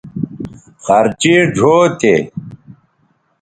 خرچیئ ڙھؤ تے